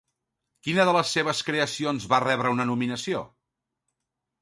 Quina de les seves creacions va rebre una nominació?